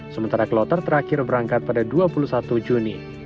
sementara kloter terakhir berangkat pada dua puluh satu juni